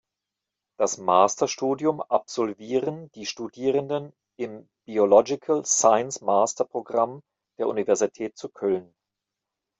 Das Masterstudium absolvieren die Studierenden im "Biological Science Master Programm" der Universität zu Köln.